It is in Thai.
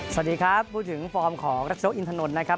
สวัสดีครับพูดถึงฟอร์มของรัชนกอินทนนท์นะครับ